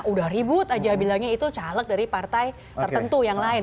udah ribut aja bilangnya itu caleg dari partai tertentu yang lain